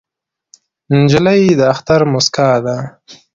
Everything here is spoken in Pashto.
نجلۍ د اختر موسکا ده.